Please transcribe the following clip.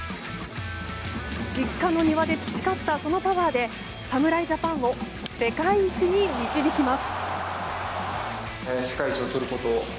実家の庭で培ったそのパワーで侍ジャパンを世界一に導きます。